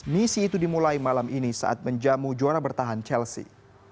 misi itu dimulai malam ini saat menjamu juara bertahan chelsea